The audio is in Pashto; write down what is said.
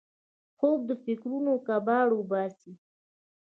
خوب د فکرونو کباړ وباسي